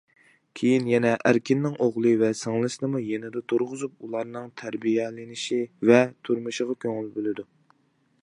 كېيىن يەنە ئەركىننىڭ ئوغلى ۋە سىڭلىسىنىمۇ يېنىدا تۇرغۇزۇپ، ئۇلارنىڭ تەربىيەلىنىشى ۋە تۇرمۇشىغا كۆڭۈل بۆلىدۇ.